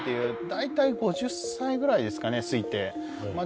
大体５０歳ぐらいですかね推定ま